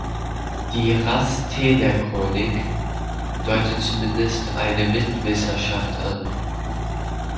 Die "Rasteder Chronik" deutet zumindest eine Mitwisserschaft an.